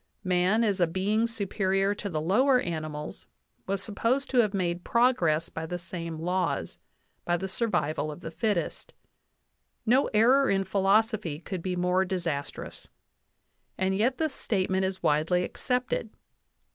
Man, as a being superior to the lower animals, was supposed to have made progress by the same laws by the survival of the fittest. No error in philosophy could be more disastrous. And yet this statement is widely accepted.